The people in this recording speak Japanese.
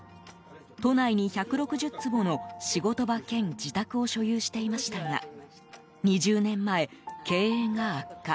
都内に１６０坪の仕事場兼自宅を所有していましたが２０年前、経営が悪化。